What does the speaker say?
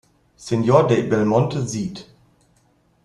Señor de Belmonte sieht.